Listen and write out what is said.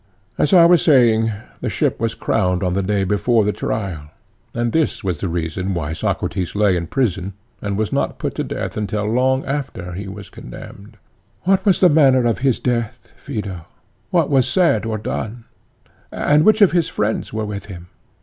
As I was saying, the ship was crowned on the day before the trial, and this was the reason why Socrates lay in prison and was not put to death until long after he was condemned. ECHECRATES: What was the manner of his death, Phaedo? What was said or done? And which of his friends were with him?